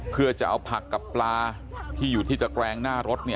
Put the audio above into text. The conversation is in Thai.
เพื่อจะเอาผักกับปลาที่อยู่ที่ตะแกรงหน้ารถ